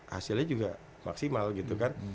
hasilnya juga maksimal gitu kan